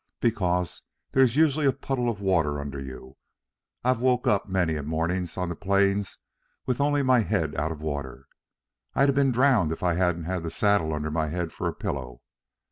"Because there's usually a puddle of water under you. I've woke up many a morning on the plains with only my head out of water. I'd a' been drowned if I hadn't had the saddle under my head for a pillow.